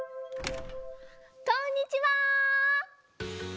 こんにちは！